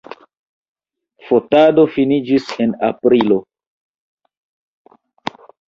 Fotado finiĝis en aprilo.